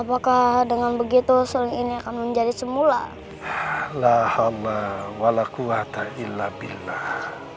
apakah dengan begitu seling ini akan menjadi semula lah allah walau kuatailah billah